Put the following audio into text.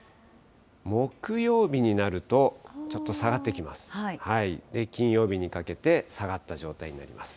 木曜日になると、ちょっと下がってきます。